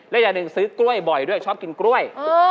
และอย่างหนึ่งซื้อกล้วยบ่อยด้วยชอบกินกล้วย